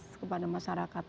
untuk kepada masyarakat